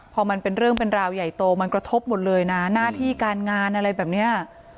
พอมันเป็นเรื่องเป็นราวใหญ่โตมันกระทบหมดเลยนะหน้าที่การงานอะไรแบบเนี้ย